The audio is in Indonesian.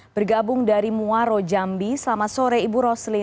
bergabung dari muaro jambi selamat sore ibu roslin